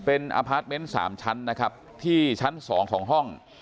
เป็นอพาร์ทเมนต์๓ชั้นนะครับที่ชั้น๒ของห้อง